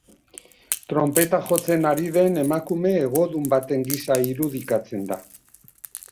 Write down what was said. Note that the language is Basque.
Tronpeta jotzen ari den emakume hegodun baten gisa irudikatzen da.